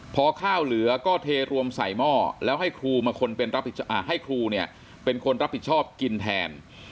พอข้าวเหลือก็เทรวมใส่หม้อแล้วให้ครูมาให้ครูเนี่ยเป็นคนรับผิดชอบกินแทน